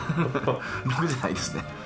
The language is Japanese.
僕じゃないですね。